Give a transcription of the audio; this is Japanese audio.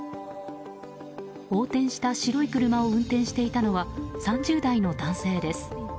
横転した白い車を運転していたのは３０代の男性です。